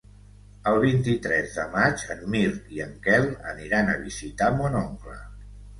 El vint-i-tres de maig en Mirt i en Quel aniran a visitar mon oncle.